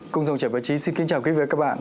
cùng dòng chảy báo chí xin kính chào quý vị và các bạn